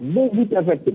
itu bisa efektif